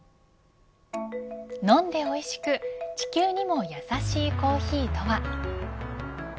飲んで美味しく地球にもやさしいコーヒーとは。